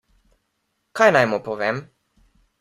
Kaj naj mu povem?